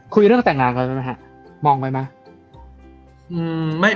คุยเรื่องแต่งงานกันไหมครับมองไปมั้ย